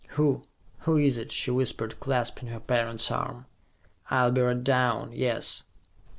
"Who who is it?" she whispered, clasping her parent's arm. "I'll be right down, yes."